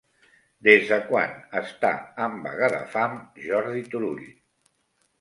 Des de quan està en vaga de fam Jordi Turull?